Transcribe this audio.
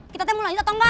kita mau lanjut atau enggak